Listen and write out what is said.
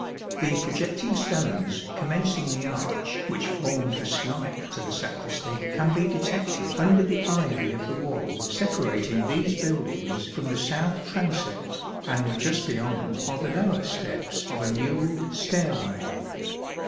The projecting stones, commencing the arch which formed the slype to the sacristy, can be detected under the ivy of the wall separating these buildings from the south transept, and just beyond are the lower steps of a newelled stairway.